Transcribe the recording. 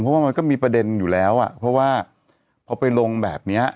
เพราะว่ามันก็มีประเด็นอยู่แล้วอ่ะเพราะว่าพอไปลงแบบนี้